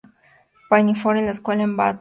Pinafore", en su escuela en Bath.